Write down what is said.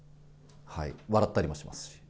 笑ったりもしますし。